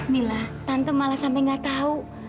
mila tante malah sampai gak tahu